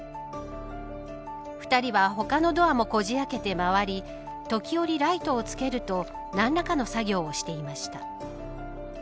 ２人は他のドアもこじ開けて周り時折、ライトをつけると何らかの作業をしていました。